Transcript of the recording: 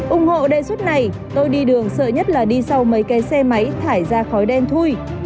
ủng hộ đề xuất này tôi đi đường sợ nhất là đi sau mấy cái xe máy thải ra khói đen thôi